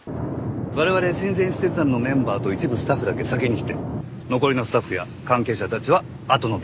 我々親善使節団のメンバーと一部スタッフだけ先に来て残りのスタッフや関係者たちはあとの便で来ます。